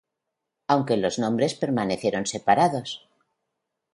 aunque los nombres permanecieron separados.